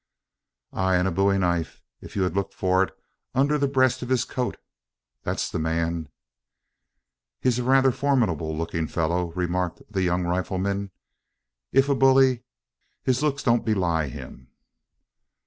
"Ay, and a bowie knife, if you had looked for it, under the breast of his coat. That's the man." "He's rather a formidable looking fellow," remarked the young rifleman. "If a bully, his looks don't belie him."